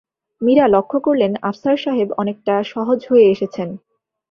মীরা লক্ষ করলেন, আফসার সাহেব অনেকটা সহজ হয়ে এসেছেন।